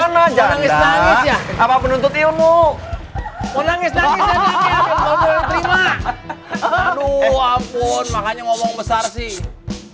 aduh ampun makanya ngomong besar sih